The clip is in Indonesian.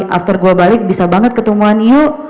after gue balik bisa banget ketemuan yuk